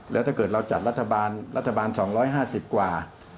แล้วถ้าเกิดเราจัดรัฐบาลรัฐบาล๒๕๐กว่า